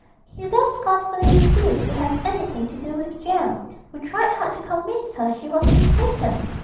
Hilda scornfully refused to have anything to do with Jem, who tried hard to convince her she was mistaken.